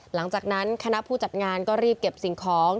หลังจากนั้นคณะผู้จัดงานก็รีบเก็บสิ่งของ